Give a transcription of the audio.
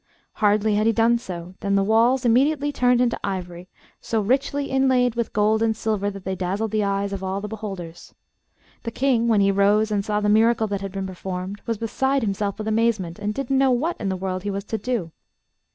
Hardly had he done so than the walls immediately turned into ivory, so richly inlaid with gold and silver that they dazzled the eyes of all beholders. The King, when he rose and saw the miracle that had been performed, was beside himself with amazement, and didn't know what in the world he was to do.